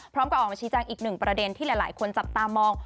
ออกมาชี้แจงอีกหนึ่งประเด็นที่หลายคนจับตามอง